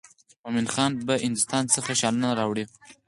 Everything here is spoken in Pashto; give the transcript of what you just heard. مومن خان به هندوستان څخه شالونه راوړي.